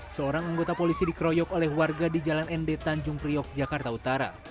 seorang anggota polisi dikeroyok oleh warga di jalan nd tanjung priok jakarta utara